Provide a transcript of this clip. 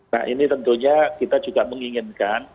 nah ini tentunya kita juga menginginkan